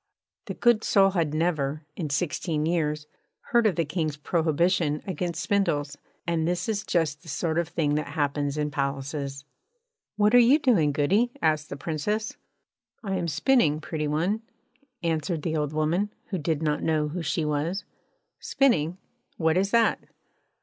The good soul had never, in sixteen years, heard of the King's prohibition against spindles; and this is just the sort of thing that happens in palaces. 'What are you doing, goody?' asked the Princess. 'I am spinning, pretty one,' answered the old woman, who did not know who she was. 'Spinning? What is that?'